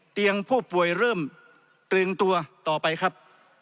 เตียงผู้ป่วยเริ่มตรึงตัวต่อไปครับ